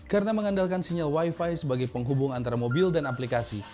karena mengandalkan sinyal wifi sebagai penghubung antara mobil dan aplikasi